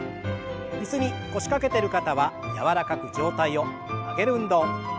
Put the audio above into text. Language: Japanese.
椅子に腰掛けてる方は柔らかく上体を曲げる運動。